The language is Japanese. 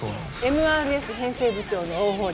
ＭＲＳ編成部長の大祝です。